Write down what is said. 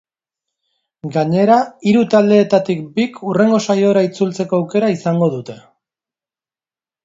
Gainera, hiru taldeetatik bik hurrengo saiora itzultzeko aukera izango dute.